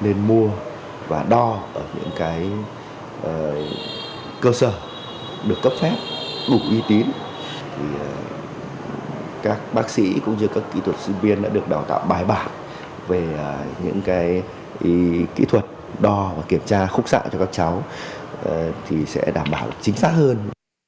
nên mua và đo ở những cái cơ sở được cấp phép cục y tín thì các bác sĩ cũng như các kỹ thuật sinh viên đã được đào tạo bài bản về những cái kỹ thuật đo và kiểm tra khúc sạng cho các cháu thì sẽ đảm bảo chính xác hơn